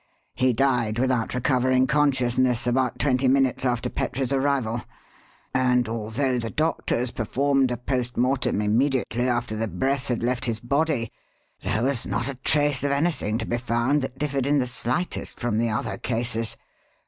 He died, without recovering consciousness, about twenty minutes after Petrie's arrival; and, although the doctors performed a post mortem immediately after the breath had left his body, there was not a trace of anything to be found that differed in the slightest from the other cases.